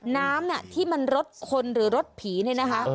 น้ำที่มันรสคนหรือรถผีเนี่ยนะคะ